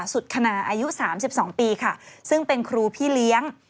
สุดคณาอายุ๓๒ปีค่ะซึ่งเป็นครูพี่เลี้ยง